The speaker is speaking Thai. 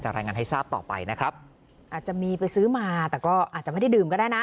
รายงานให้ทราบต่อไปนะครับอาจจะมีไปซื้อมาแต่ก็อาจจะไม่ได้ดื่มก็ได้นะ